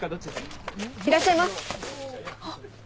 いらっしゃいまあっ。